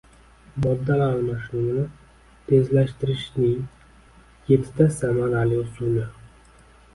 Moddalar almashinuvini tezlashtirishningyettisamarali usuli